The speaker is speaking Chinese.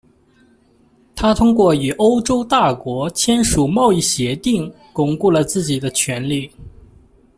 他通过与欧洲大国签署贸易协定巩固了自己的权力。